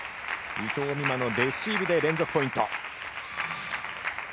伊藤美誠のレシーブで連続ポイント。